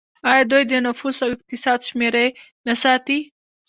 آیا دوی د نفوس او اقتصاد شمیرې نه ساتي؟